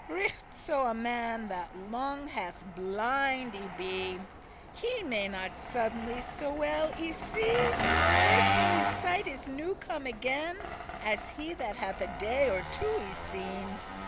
*awakened Right so a man, that long hath blind y be, He may not suddenly so well y see, First when his sight is newe come again, As he that hath a day or two y seen.